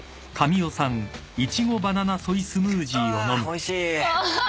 おいしい。